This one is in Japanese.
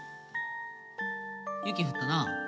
雪降ったな。